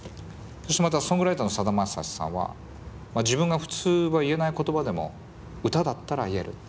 そしてまたソングライターのさだまさしさんは「自分が普通は言えない言葉でも歌だったら言える」って。